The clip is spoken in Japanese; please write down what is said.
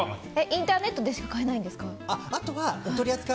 インターネットでしか買えないんですか。